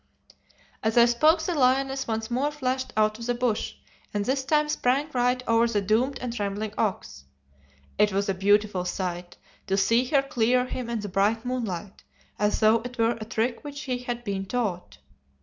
"As I spoke, the lioness once more flashed out of the bush, and this time sprang right over the doomed and trembling ox. It was a beautiful sight to see her clear him in the bright moonlight, as though it were a trick which she had been taught.